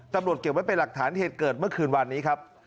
เก็บไว้เป็นหลักฐานเหตุเกิดเมื่อคืนวานนี้ครับ